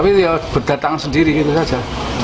bukan bergantung kegiatan itu saja